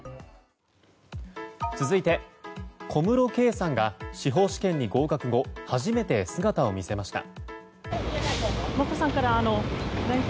続いて、小室圭さんが司法試験に合格後、初めて姿を見せました。